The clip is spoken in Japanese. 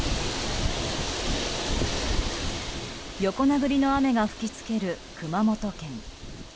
横殴りの雨が吹きつける熊本県。